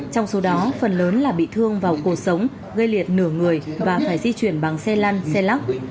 trong số đó phần lớn là bị thương vào cuộc sống gây liệt nửa người và phải di chuyển bằng xe lăn xe lắc